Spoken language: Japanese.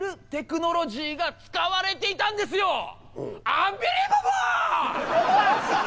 アンビリーバボー！